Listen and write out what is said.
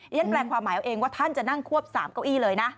ฉันแปลความหมายเอาเองว่าท่านจะนั่งควบ๓เก้าอี้เลยนะ